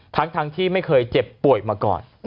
ทั้งที่ไม่เคยเจ็บป่วยมาก่อน